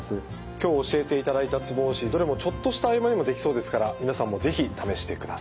今日教えていただいたツボ押しどれもちょっとした合間にもできそうですから皆さんも是非試してください。